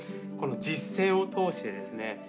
この実践を通してですね